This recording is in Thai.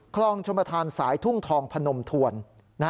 คลองชมธานสายทุ่งทองพนมถวน